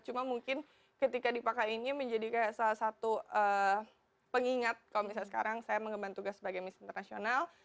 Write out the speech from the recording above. cuma mungkin ketika dipakainya menjadi kayak salah satu pengingat kalau misalnya sekarang saya mengembang tugas sebagai miss international